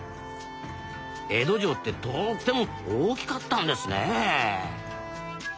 江戸城ってとっても大きかったんですね